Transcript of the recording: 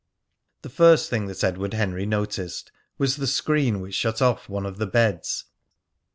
The first thing that Edward Henry noticed was the screen which shut off one of the beds.